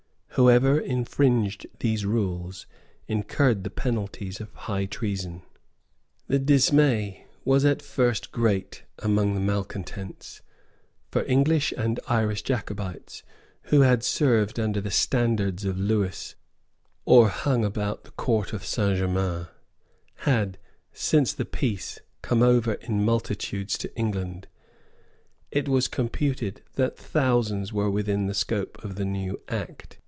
Whoever infringed these rules incurred the penalties of high treason. The dismay was at first great among the malecontents. For English and Irish Jacobites, who had served under the standards of Lewis or hung about the Court of Saint Germains, had, since the peace, come over in multitudes to England. It was computed that thousands were within the scope of the new Act.